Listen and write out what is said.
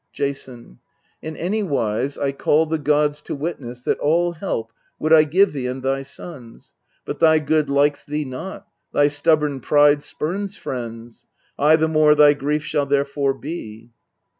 Jason. In any wise I call the gods to witness That all help would I give thee and thy sons ; But thy good likes thee not: thy stubborn pride Spurns friends : I the more thy grief shall therefore be.